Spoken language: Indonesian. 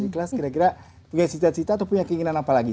di kelas kira kira punya cita cita atau punya keinginan apa lagi